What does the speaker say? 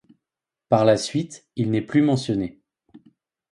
Par la suite il n'est plus mentionné.